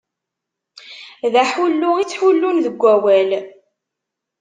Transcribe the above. D aḥullu i ttḥullun deg wawal.